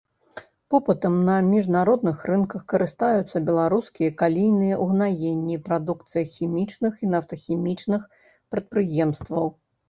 Попытам на міжнародных рынках карыстаюцца беларускія калійныя ўгнаенні, прадукцыя хімічных і нафтахімічных прадпрыемстваў.